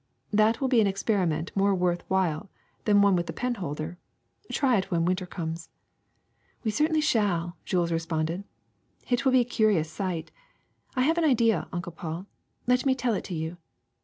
That will be an experiment more worth while than the one with the penholder. Try it when winter comes. '' '*We certainly shall," Jules responded. *^It will be a curious sight. I have an idea. Uncle Paul; let me tell it to you.